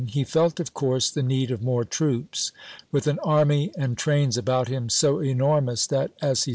He felt, of course, the need of more troops. With an vohbax., army and trains about him so enormous that, as he p^.